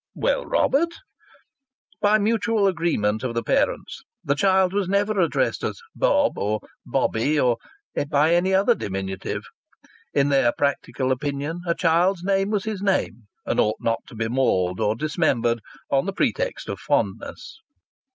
"Well, Robert?" By mutual agreement of the parents the child was never addressed as "Bob" or "Bobby," or by any other diminutive. In their practical opinion a child's name was his name, and ought not to be mauled or dismembered on the pretext of fondness.